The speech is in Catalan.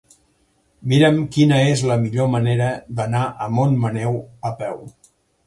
Mira'm quina és la millor manera d'anar a Montmaneu a peu.